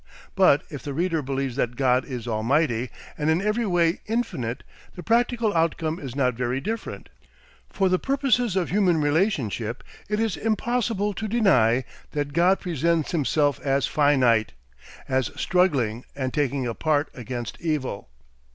But if the reader believes that God is Almighty and in every way Infinite the practical outcome is not very different. For the purposes of human relationship it is impossible to deny that God PRESENTS HIMSELF AS FINITE, as struggling and taking a part against evil.